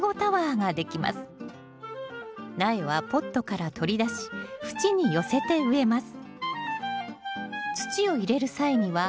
苗はポットから取り出し縁に寄せて植えます。